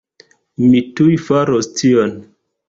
Mi tuj faros tion